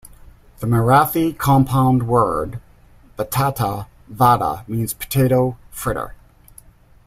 The Marathi compound word "batata vada" means potato fritter.